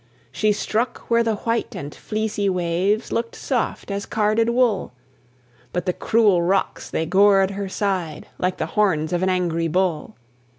She struck where the white and fleecy waves Looked soft as carded wool, But the cruel rocks they gored her side Like the horns of an angry bull.